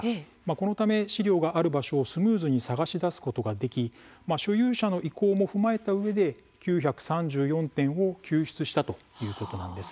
このため資料がある場所をスムーズに探し出すことができ所有者の意向も踏まえたうえで９３４点を救出したということなんです。